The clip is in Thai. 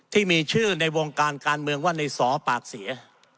ที่มีชื่อในวงการการเมืองว่าในสอปากเสีย